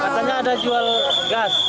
katanya ada jual gas